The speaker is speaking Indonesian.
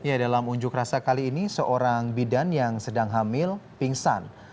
ya dalam unjuk rasa kali ini seorang bidan yang sedang hamil pingsan